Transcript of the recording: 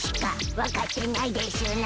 分かってないでしゅな。